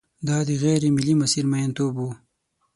دا د غېر ملي مسیر میینتوب و.